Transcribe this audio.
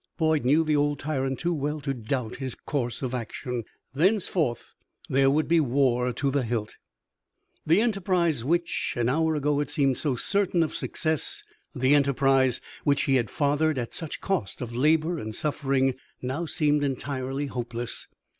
Boyd knew the old tyrant too well to doubt his course of action; thenceforth there would be war to the hilt. The enterprise which an hour ago had seemed so certain of success, the enterprise which he had fathered at such cost of labor and suffering, now seemed entirely hopeless.